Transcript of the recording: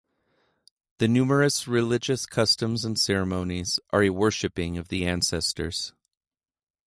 The numerous religious customs and ceremonies are a worshiping of the ancestors.